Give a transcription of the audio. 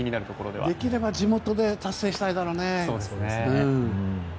できれば地元で達成したいだろうね。